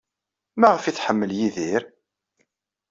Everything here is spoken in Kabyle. Maɣef ay tḥemmel Yidir?